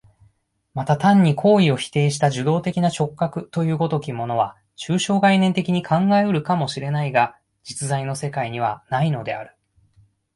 また単に行為を否定した受働的な直覚という如きものは、抽象概念的に考え得るかも知れないが、実在の世界にはないのである。